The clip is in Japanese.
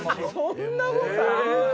そんなことある？